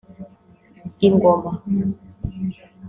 ‘Ingoma’